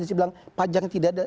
dia bilang pajang tidak ada